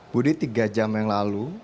budi tiga jam yang lalu